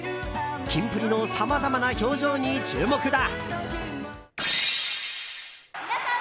キンプリのさまざまな表情に注目だ。